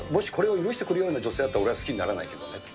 もしこれを許してくれるような女性だったら俺は好きにならないけ